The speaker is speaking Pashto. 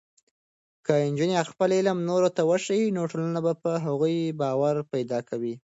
که نجونې خپل علم نورو ته وښيي، نو ټولنه په هغوی باور پیدا کوي.